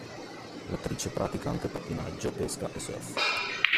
L'attrice pratica anche pattinaggio, pesca e surf.